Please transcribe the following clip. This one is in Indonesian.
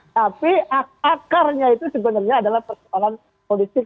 tapi akarnya itu sebenarnya adalah persoalan politik